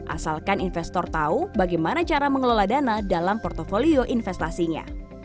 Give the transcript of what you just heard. asalkan investor tahu bagaimana cara mengelola dana dalam portfolio investasinya